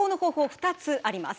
２つあります。